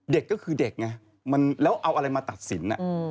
เด็กก็คือเด็กไงแล้วเอาอะไรมาตัดสิน